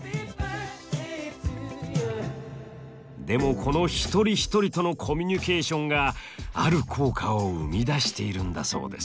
でもこの一人一人とのコミュニケーションがある効果を生み出しているんだそうです。